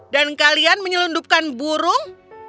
dan kalian menyelundupkan burung